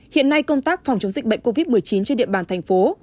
hiện nay công tác phòng chống dịch bệnh covid một mươi chín trên địa bàn thành phố